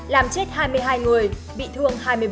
làm chết hai mươi hai người bị thương hai mươi một